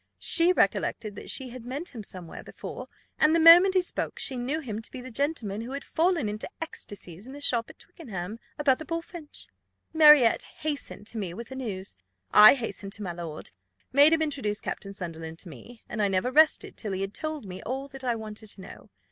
She recollected that she had met him somewhere before, and the moment he spoke, she knew him to be the gentleman who had fallen into ecstasies in the shop at Twickenham, about the bullfinch. Marriott hastened to me with the news; I hastened to my lord, made him introduce Captain Sunderland to me, and I never rested till he had told me all that I wanted to know.